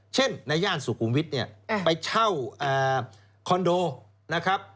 เช่นในย่านสุขุมวิทย์ไปเช่าคอนโดนะครับ